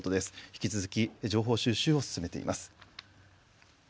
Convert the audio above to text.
引き続き情報収集を進めています。